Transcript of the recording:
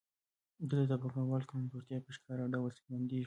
دلته د پانګوال کمزورتیا په ښکاره ډول څرګندېږي